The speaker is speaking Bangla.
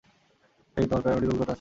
হেই, তোমার প্যারামেডিক অভিজ্ঞতা আছে?